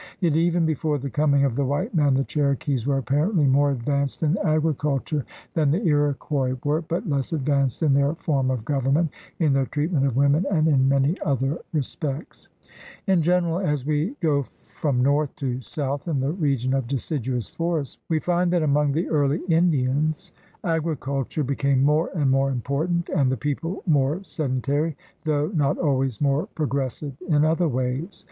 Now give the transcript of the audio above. Yet even before the coming of the white man the Cherokees were apparently more advanced in agriculture than the Iroquois were, but less advanced in their form of government, in their treatment of women, and in many other respects. THE RED MAN IN AMERICA 161 In general, as we go from north to south in the region of deciduous forests, we find that among the early Indians agriculture became more and more important and the people more sedentary, though not always more progressive in other ways.